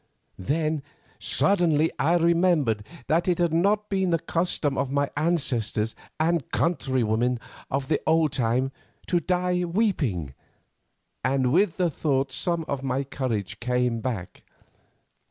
"Then suddenly I remembered that it had not been the custom of my ancestors and countrywomen of the old time to die weeping, and with the thought some of my courage came back.